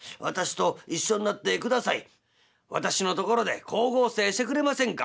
「私のところで光合成してくれませんか」。